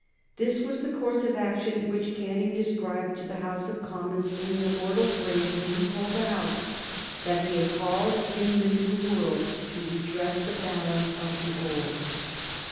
This was the course of action which Canning described to the House of Commons in an immortal phrase when he told the House "that he had called in the New World to redress the balance of the Old."